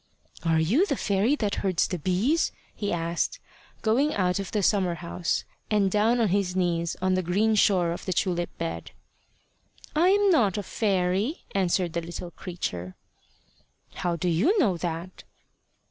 "Are you the fairy that herds the bees?" he asked, going out of the summer house, and down on his knees on the green shore of the tulip bed. "I'm not a fairy," answered the little creature. "How do you know that?"